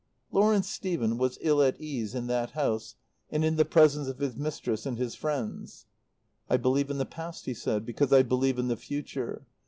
Lawrence Stephen was ill at ease in that house and in the presence of his mistress and his friends. "I believe in the past," he said, "because I believe in the future.